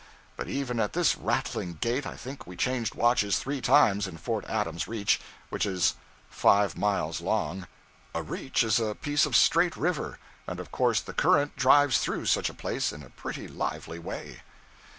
But even at this rattling gait I think we changed watches three times in Fort Adams reach, which is five miles long. A 'reach' is a piece of straight river, and of course the current drives through such a place in a pretty lively way.